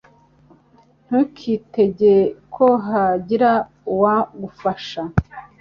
Ntukitege ko hagira uwagufasha